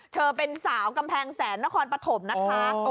เธอเป็นสาวกำแพงแสนนครปฐมนะคะ